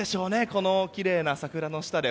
このきれいな桜の下で。